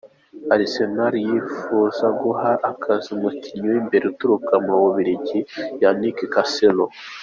Arsenal yipfuza guha akazi umukinyi w'imbere aturuka mu Bubiligi, Yannick Carrasco.